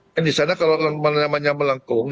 dan di sana kalau namanya melengkung